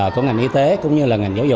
của ngành y tế cũng như là ngành giáo dục